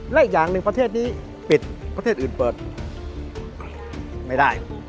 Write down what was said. และอีกอย่างหนึ่งประเทศนี้ปิดประเทศอื่นเปิดไม่ได้